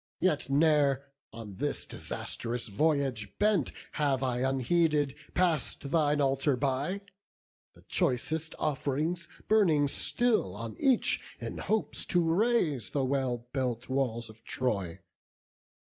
Yet ne'er, on this disastrous voyage bent, Have I unheeded pass'd thine altar by; The choicest off'rings burning still on each, In hopes to raze the well built walls of Troy.